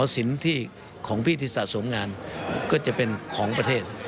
สินที่ของพี่ที่สะสมงานก็จะเป็นของประเทศ